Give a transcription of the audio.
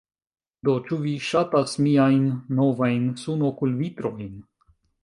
Do, ĉu vi ŝatas miajn novajn sunokulvitrojn